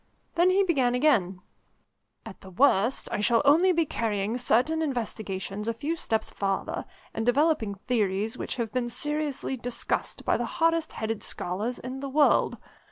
Then he began again: "At the worst I shall only be carrying certain investigations a few steps farther, and developing theories which have been seriously discussed by the hardest headed scholars in the world.